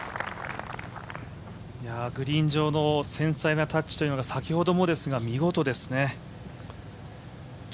グリーン上の繊細なパットが先ほどもそうですが、見事ですね。